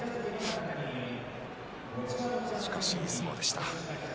しかし、いい相撲でした。